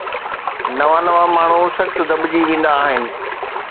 نوان نوان ماڻهو سخت دٻجي ويندا آهن